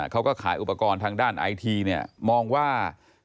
เขาก็ขายอุปกรณ์ทางการโดยสภาพมองว่า